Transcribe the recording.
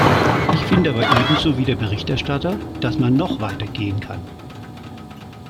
Ich finde aber ebenso wie der Berichterstatter, dass man noch weiter gehen kann.